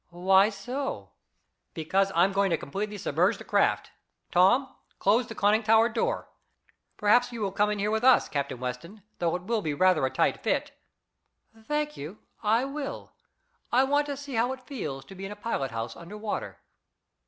"Why so?" "Because I am going to completely submerge the craft. Tom, close the conning tower door. Perhaps you will come in here with us, Captain Weston, though it will be rather a tight fit." "Thank you, I will. I want to see how it feels to be in a pilot house under water."